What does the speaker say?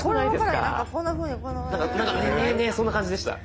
ねそんな感じでした。